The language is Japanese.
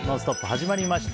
始まりました。